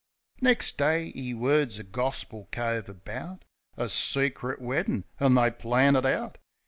Nex' day 'e words a gorspil cove about A secrit weddin'; an' they plan it out.